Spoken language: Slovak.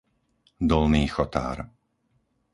Dolný Chotár